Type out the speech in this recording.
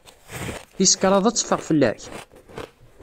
Tis kraḍ ad teffeɣ fell-ak?